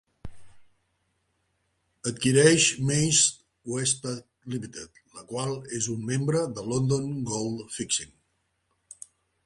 Adquireix Mase Westpac Limited, la qual és un membre de London Gold Fixing.